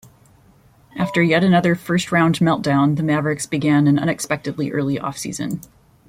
After yet another first round melt-down, the Mavericks began an unexpectedly early offseason.